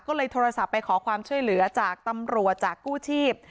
ก็เลยโทรศัพท์ไปขอความช่วยเหลือจากตำรวจจากกู้ชีพ